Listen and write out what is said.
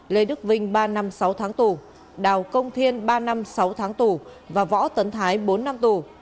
lê đức vinh ba năm sáu tháng tù đào công thiên ba năm sáu tháng tù và võ tấn thái bốn năm tù